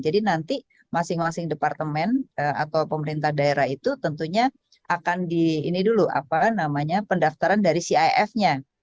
jadi nanti masing masing departemen atau pemerintah daerah itu tentunya akan di ini dulu apa namanya pendaftaran dari cif nya